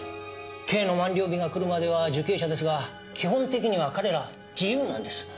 刑の満了日が来るまでは受刑者ですが基本的には彼ら自由なんです。